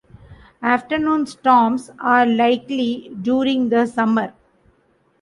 Afternoon storms are likely during the summer.